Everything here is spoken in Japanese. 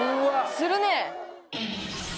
するね！